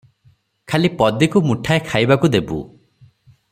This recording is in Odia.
ଖାଲି ପଦୀକୁ ମୁଠାଏ ଖାଇବାକୁ ଦେବୁ ।